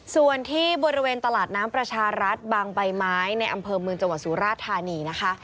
ส่วนที่บริเวณตลาดน้ำประชารัฐบางใบไม้ในอำเภอเมืองจังหวัดสุราธานีนะคะ